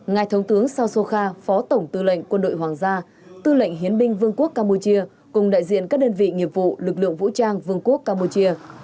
ngài thống tướng sao sokha phó tổng tư lệnh quân đội hoàng gia tư lệnh hiến binh vương quốc campuchia cùng đại diện các đơn vị nghiệp vụ lực lượng vũ trang vương quốc campuchia